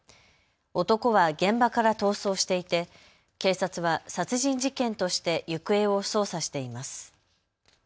男は現場から逃走していて警察は殺人事件として行方を捜査しています。